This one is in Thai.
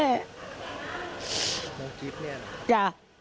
น้องกิ๊บเนี่ยเหรอคะจ้ะ